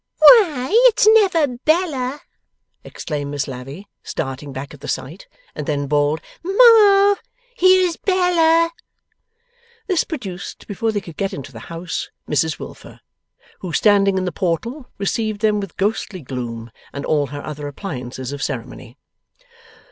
'Why, it's never Bella!' exclaimed Miss Lavvy starting back at the sight. And then bawled, 'Ma! Here's Bella!' This produced, before they could get into the house, Mrs Wilfer. Who, standing in the portal, received them with ghostly gloom, and all her other appliances of ceremony.